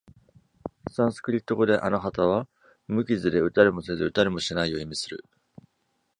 サンスクリット語で「アナハタ」は「無傷で、打たれもせず、打たれもしない」を意味する。